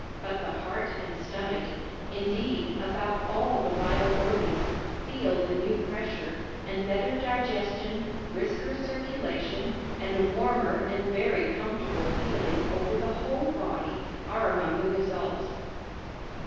But the heart and stomach indeed, about all the vital organs feel the new pressure, and better digestion, brisker circulation, and a warmer and very comfortable feeling over the whole body are among the results.